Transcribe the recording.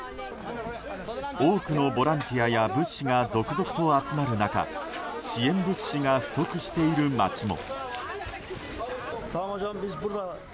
多くのボランティアや物資が続々と集まる中支援物資が不足している街も。